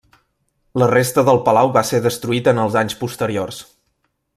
La resta del palau va ser destruït en els anys posteriors.